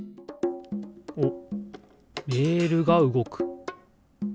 おっレールがうごく。